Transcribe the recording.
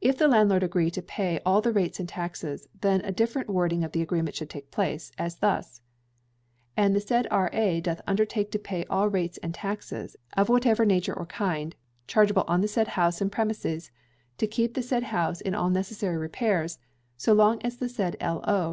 If the landlord agree to pay all the rates and taxes, then a different wording of the agreement should take place, as thus: And the said R.A. doth undertake to pay all rates and taxes, of whatever nature or kind, chargeable on the said house and premises, and to keep the said house in all necessary repairs, so long as the said L.O.